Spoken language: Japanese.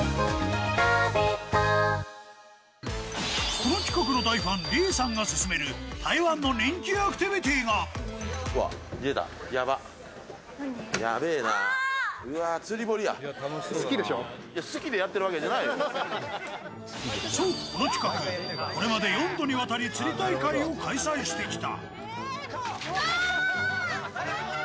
この企画の大ファン李さんが進める台湾の人気アクティビティーがこの企画、これまで４度にわたり釣り大会を開催してきた。